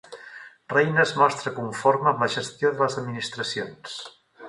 Reina es mostra conforme amb la gestió de les administracions.